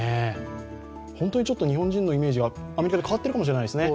本当に日本人のイメージがアメリカでは変わっているかもしれないですね。